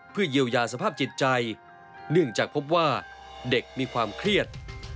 เพื่อเยียวยาสภาพจิตใจเนื่องจากพบว่าเด็กมีความเครียด